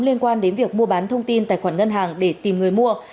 liên quan đến việc mua bán thông tin tài khoản ngân hàng để tìm người mua